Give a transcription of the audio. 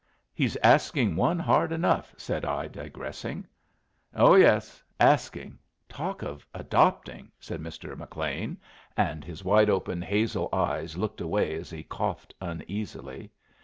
"He's asking one hard enough," said I, digressing. "Oh yes; asking! Talk of adopting " said Mr. McLean, and his wide open, hazel eyes looked away as he coughed uneasily.